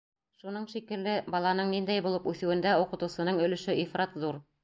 Шуның шикелле, баланың ниндәй булып үҫеүендә уҡытыусының өлөшө ифрат ҙур.